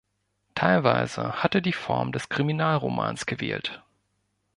Teilweise hat er die Form des Kriminalromans gewählt.